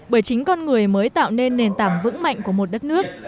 bởi chính con người mới tạo nên nền tảng vững mạnh của một đất nước